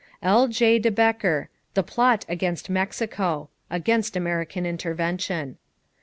L.J. de Bekker, The Plot against Mexico (against American intervention).